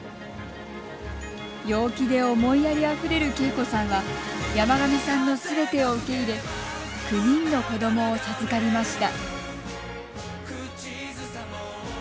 陽気で思いやりあふれる恵子さんは山上さんのすべてを受け入れ９人の子どもを授かりました。